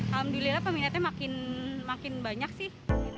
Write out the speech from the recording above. alhamdulillah peminatnya makin banyak sih